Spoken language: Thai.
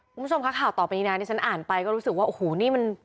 คุณผู้ชมคะข่าวต่อไปนี้นะที่ฉันอ่านไปก็รู้สึกว่าโอ้โหนี่มัน